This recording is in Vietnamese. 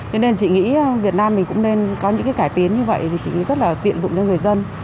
cho nên chị nghĩ việt nam mình cũng nên có những cái cải tiến như vậy thì chị rất là tiện dụng cho người dân